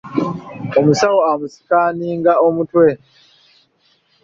Omusawo amusikaaninga omutwe.